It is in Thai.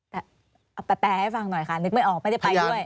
แต่เอาแปลให้ฟังหน่อยค่ะนึกไม่ออกไม่ได้ไปด้วย